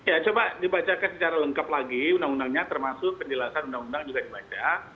ya coba dibacakan secara lengkap lagi undang undangnya termasuk penjelasan undang undang juga dibaca